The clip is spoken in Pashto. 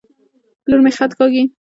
لور مي خط کاږي.